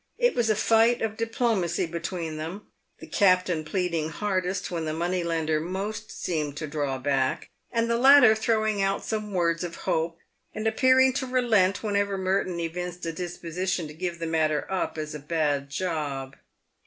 It was a fight of diplomacy between them, the captain pleading hardest when the money lender most seemed to draw back, and the latter throwing out some words of hope, and appearing to relent whenever Merton evinced a disposition to give the matter up as a bad job.